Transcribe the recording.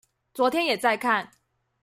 昨天也在看